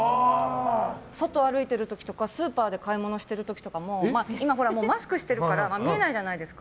外歩いてる時とかスーパーで買い物してる時とかも今、マスクしてるから見えないじゃないですか。